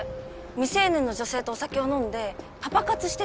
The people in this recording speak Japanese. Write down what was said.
未成年の女性とお酒を飲んでパパ活してたってやつだよね。